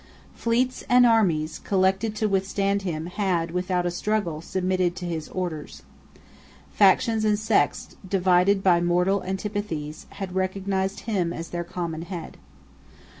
Fleets and armies, collected to withstand him, had, without a struggle, submitted to his orders. Factions and sects, divided by mortal antipathies, had recognised him as their common head.